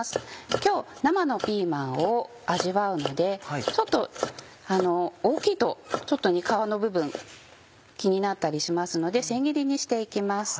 今日生のピーマンを味わうのでちょっと大きいと皮の部分気になったりしますので千切りにして行きます。